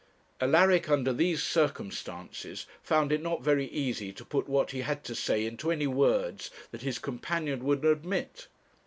Alaric, under these circumstances, found it not very easy to put what he had to say into any words that his companion would admit.